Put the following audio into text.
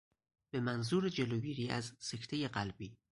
به منظور جلوگیری از سکتهی قلبی